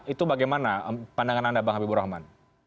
itu bagaimana pandangan anda bang habibur rahman